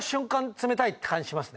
冷たいって感じしますね。